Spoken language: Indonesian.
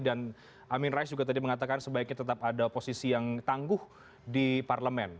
dan amin rais juga tadi mengatakan sebaiknya tetap ada posisi yang tangguh di parlemen